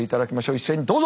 一斉にどうぞ。